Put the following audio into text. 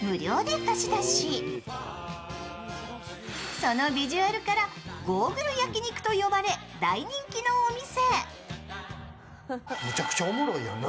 そのビジュアルからゴーグル焼き肉と呼ばれ、大人気のお店。